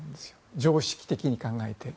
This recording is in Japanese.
常識的に考えて。